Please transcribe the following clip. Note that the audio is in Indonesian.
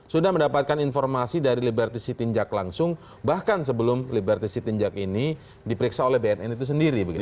sudah mendapatkan informasi dari liberty sitinjak langsung bahkan sebelum liberti sitinjak ini diperiksa oleh bnn itu sendiri begitu